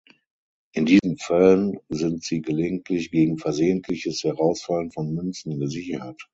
In diesen Fällen sind sie gelegentlich gegen versehentliches Herausfallen von Münzen gesichert.